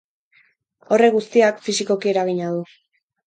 Horrek guztiak, fisikoki eragina du.